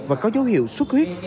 và có dấu hiệu xuất huyết